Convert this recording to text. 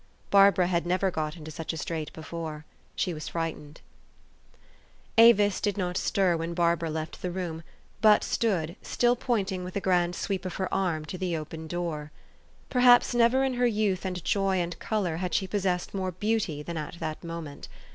Barbara had never got into such a strait before. She was frightened. THE STORY OF AVIS. 339 Avis did not stir when Barbara left the room, but stood, still pointing with a grand sweep of her arm to the open door. Perhaps never in her youth and joy and color had she possessed more beauty than at that moment.